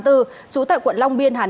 trú tại quận long biên hà giang